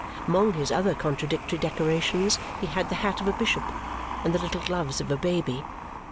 Among his other contradictory decorations he had the hat of a bishop and the little gloves of a baby.